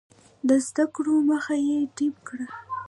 د زده کړو مخه یې ډپ کړه.